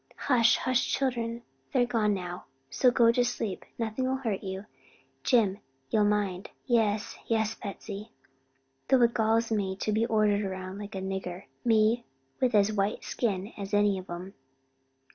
Hush, hush, children, they're gone now; so go to sleep; nothing'll hurt ye. Jim, ye'll mind?" "Yes, yes, Betsy, though it galls me to be ordered round like a nigger; me with as white a skin as any o' them."